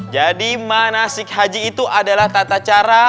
jadi manasik haji itu adalah tata cara